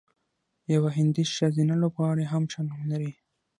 یوه هندۍ ښځینه لوبغاړې هم ښه نوم لري.